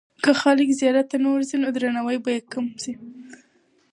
که خلک زیارت ته نه ورځي، نو درناوی به یې کم سي.